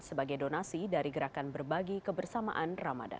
sebagai donasi dari gerakan berbagi kebersamaan ramadan